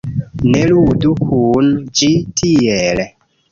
Ne ludu kun ĝi tiel